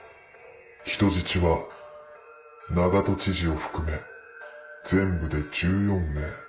人質は長門知事を含め全部で１４名。